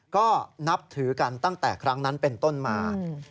ก็นับถือกันตั้งแต่ครั้งนั้นเป็นต้นมา